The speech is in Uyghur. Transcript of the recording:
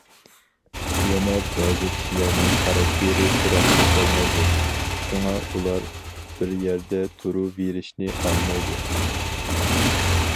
يەنە بەزى كىشىلەرنىڭ خاراكتېرى تۇراقلىق بولمايدۇ، شۇڭا، ئۇلار بىر يەردە تۇرۇۋېرىشنى خالىمايدۇ.